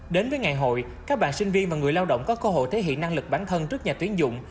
đến với ngày hội các bạn sinh viên và người lao động có cơ hội thể hiện năng lực bản thân trước nhà tuyến dụng